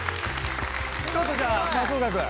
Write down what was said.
ちょっとじゃあ松岡君。